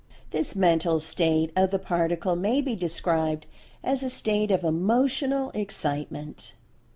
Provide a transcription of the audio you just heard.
This Mental State of the Particle may be described as a state of "Emotional Excitement."